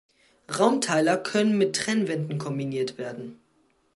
Raumteiler können mit Trennwänden kombiniert werden.